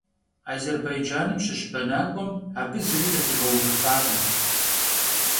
Azêrbaycanım şış benak'uem abı zıri khıpiğeuvıfakhım.